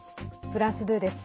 フランス２です。